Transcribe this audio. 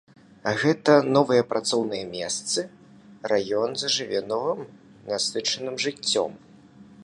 А гэта новыя працоўныя месцы, раён зажыве новым насычаным жыццём.